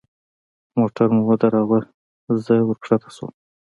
موټر مو ودراوه زه وركښته سوم.